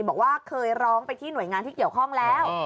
บอกว่าเคยร้องไปที่หน่วยงานที่เกี่ยวข้องแล้ว